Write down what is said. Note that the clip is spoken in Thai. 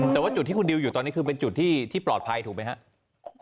แต่ว่าจุดที่คุณดิวอยู่ตอนนี้คือเป็นจุดที่ปลอดภัยถูกไหมครับ